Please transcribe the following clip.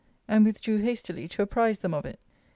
and withdrew hastily to apprize them of it.